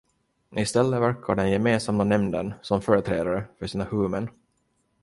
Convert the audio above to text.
I stället verkar den gemensamma nämnden som företrädare för sina huvudmän.